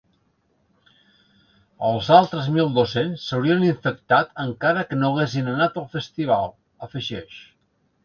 “Els altres mil dos-cents s’haurien infectat encara que no haguessin anat al festival”, afegeix.